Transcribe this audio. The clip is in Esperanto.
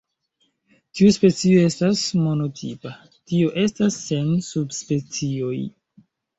Tiu specio estas monotipa, tio estas sen subspecioj.